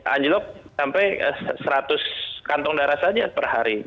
anjlok sampai seratus kantong darah saja per hari